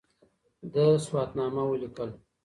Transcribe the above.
ده سواتنامه وليکل